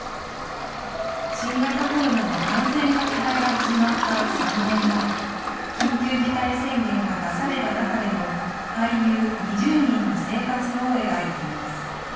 新型コロナの感染拡大が始まった３年前、緊急事態宣言が出された中での俳優２０人の生活を描いています。